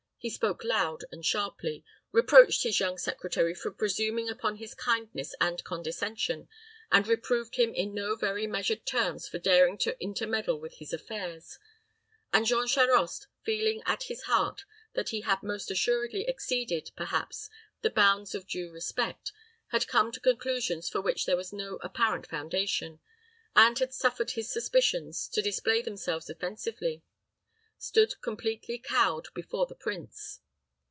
He spoke loud and sharply, reproached his young secretary for presuming upon his kindness and condescension, and reproved him in no very measured terms for daring to intermeddle with his affairs; and Jean Charost, feeling at his heart that he had most assuredly exceeded, perhaps, the bounds of due respect, had come to conclusions for which there was no apparent foundation, and had suffered his suspicions to display themselves offensively, stood completely cowed before the prince.